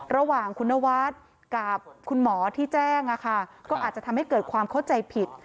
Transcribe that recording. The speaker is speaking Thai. ระหว่างคุณนวัดกับคุณหมอที่แจ้งก็อาจจะทำให้เกิดความเข้าใจผิด